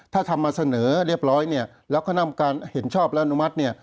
ถ้าทำมาเสนอเรียบร้อยเนี่ยแล้วคณะกรรมการเห็นชอบและอนุมัติเนี่ย